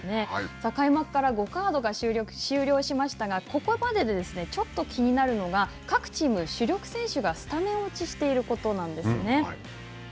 開幕から５カードが終了しましたが、ここまででちょっと気になるのが、各チーム、主力選手がスタメン落ちしていることなんですね。